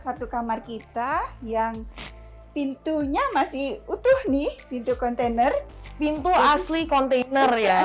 satu kamar kita yang pintunya masih utuh nih pintu kontainer pintu asli kontainer ya